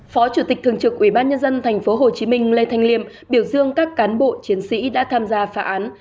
phó chủ tịch thường trực ủy ban nhân dân tp hcm lê thanh liêm biểu dương các cán bộ chiến sĩ đã tham gia phá án